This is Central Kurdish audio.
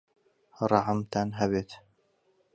ڕەحمتان هەبێت!